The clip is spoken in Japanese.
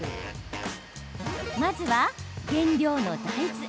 まずは、原料の大豆。